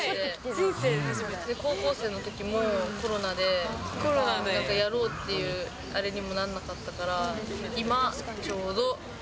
高校生のときもコロナで、なんかやろうってあれにもなんなかったから、今ちょうど。